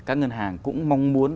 các ngân hàng cũng mong muốn